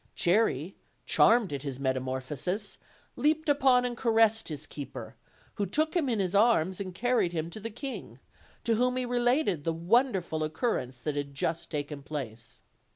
Cherry, charmed at his metamorphosis, leaped upon and caressed his keeper, who took him in his arms and carried him to the king, to whom he related the wonderful occurrence that had just taken place.